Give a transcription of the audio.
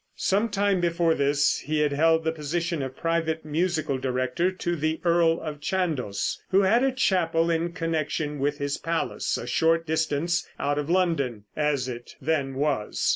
Some time before this he had held the position of private musical director to the earl of Chandos, who had a chapel in connection with his palace, a short distance out of London, as it then was.